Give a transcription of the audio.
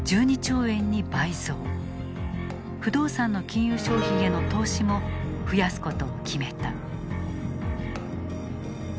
不動産の金融商品への投資も増やすことを決めた。